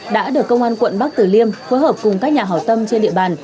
đã được công an quận bắc tử liêm phối hợp cùng các nhà hảo tâm trên địa bàn